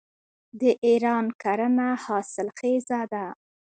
د ایران کرنه حاصلخیزه ده.